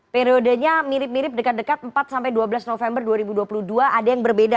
periodenya mirip mirip dekat dekat empat sampai dua belas november dua ribu dua puluh dua ada yang berbeda